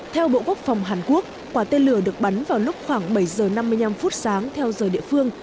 theo bộ quốc phòng hàn quốc quả tên lửa được bắn vào lúc khoảng bảy giờ năm mươi năm phút sáng theo giờ địa phương